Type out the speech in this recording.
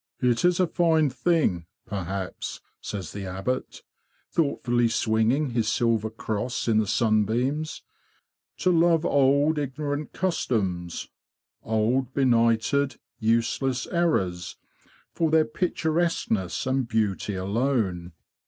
"It is a fine thing, perhaps,'' says the Abbot, thoughtfully swinging his silver cross in the sun beams, ''to love old, ignorant customs, old, benighted, useless errors, for their picturesqueness IN THE ABBOT'S BEEF GARDEN 119 and beauty alone.